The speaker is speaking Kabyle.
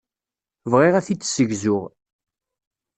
Bɣiɣ ad t-id-ssegzuɣ.